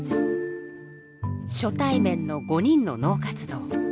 初対面の５人の脳活動。